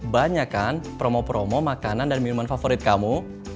banyak kan promo promo makanan dan minuman favorit kamu